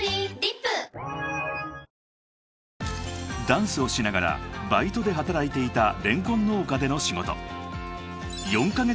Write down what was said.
［ダンスをしながらバイトで働いていたレンコン農家での仕事］